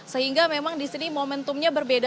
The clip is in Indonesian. sehingga memang di sini momentumnya berbeda